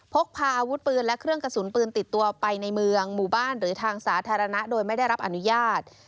พกพาอาวุธปืนและเครื่องกระสุนปืนติดตัวไปในเมืองหมู่บ้านหรือทางสาธารณะโดยไม่ได้รับอนุญาต